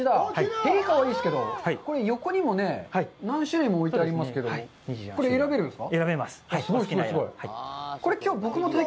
へり、かわいいですけど、これ横にもね、何種類も置いてありますけど、選べるんですか。